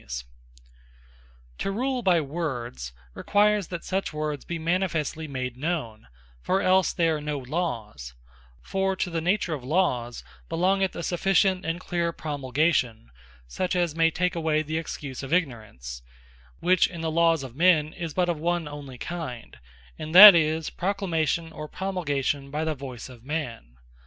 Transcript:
A Threefold Word Of God, Reason, Revelation, Prophecy To rule by Words, requires that such Words be manifestly made known; for else they are no Lawes: For to the nature of Lawes belongeth a sufficient, and clear Promulgation, such as may take away the excuse of Ignorance; which in the Lawes of men is but of one onely kind, and that is, Proclamation, or Promulgation by the voyce of man.